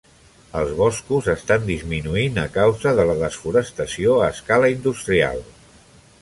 Els boscos estan disminuint a causa de la desforestació a escala industrial.